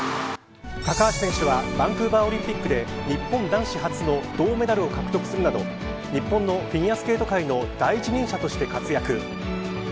高橋選手はバンクーバーオリンピックで日本男子初の銅メダルを獲得するなど日本のフィギュアスケート界の第一人者として活躍。